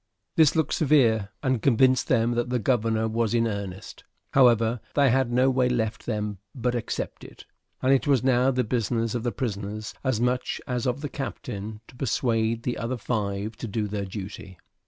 This looked severe, and convinced them that the governor was in earnest; however, they had no way left them but accept it, and it was now the business of the prisoners, as much as of the captain, to persuade the other five to do their duty.